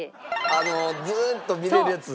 あのずーっと見れるやつ？